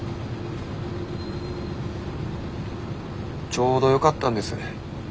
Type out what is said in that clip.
ちょうどよかったんです。